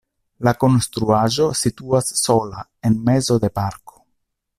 La konstruaĵo situas sola en mezo de parko.